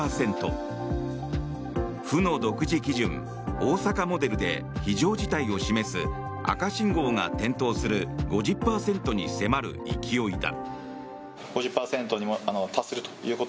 府の独自基準、大阪モデルで非常事態を示す赤信号が点灯する５０％に迫る勢いだ。